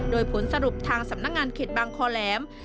โดยผลสรุปทางสำนักงานเขตบางคอแหลม